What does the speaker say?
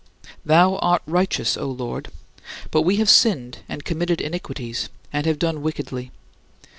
Thou art righteous, O Lord; but we have sinned and committed iniquities, and have done wickedly.